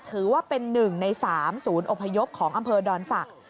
ถือว่าเป็น๑ใน๓ศูนย์อพยพของอำเภอดอนศักดิ์